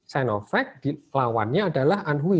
sign of fact lawannya adalah anhui